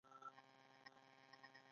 ایا زما په پښتورګي کې تیږه ده؟